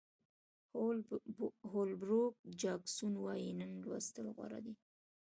هول بروک جاکسون وایي نن لوستل غوره دي.